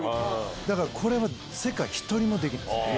だから、これは世界一人もできないです。